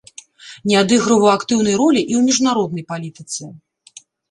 Не адыгрываў актыўнай ролі і ў міжнароднай палітыцы.